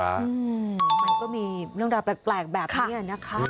มันก็มีเรื่องราวแปลกแบบนี้นะคะ